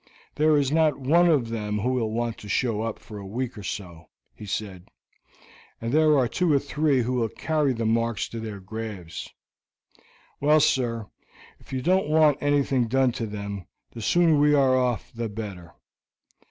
"There is not one of them who will want to show up for a week or so," he said, "and there are two or three who will carry the marks to their graves. Well, sir, if you don't want anything done to them, the sooner we are off the better.